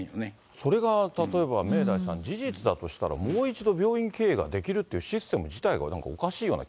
それが例えば明大さん、事実だとしたら、もう一度病院経営ができるっていうシステム自体がなんかおかしい